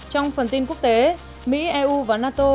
trong phần tin quốc tế mỹ eu và nato